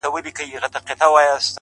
موږه يې ښه وايو پر موږه خو ډير گران دی ،